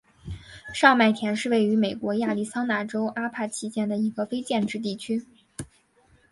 上麦田是位于美国亚利桑那州阿帕契县的一个非建制地区。